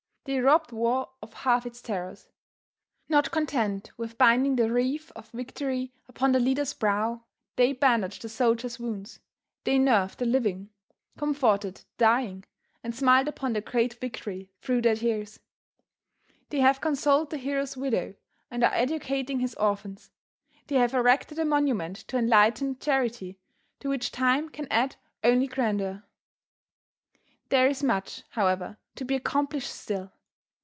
They robbed war of half its terrors. Not content with binding the wreath of victory upon the leader's brow, they bandaged the soldiers' wounds, they nerved the living, comforted the dying, and smiled upon the great victory through their tears. They have consoled the hero's widow and are educating his orphans. They have erected a monument to enlightened charity to which time can add only grandeur. There is much, however, to be accomplished still.